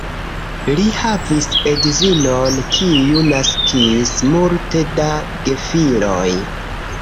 Li havis edzinon, kiu naskis multe da gefiloj.